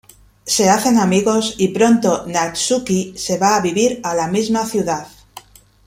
Se hacen amigos, y pronto Natsuki se va a vivir a la misma ciudad.